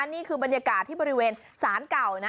นี่คือบรรยากาศที่บริเวณศาลเก่านะ